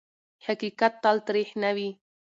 حقیقت تل تریخ نه وي.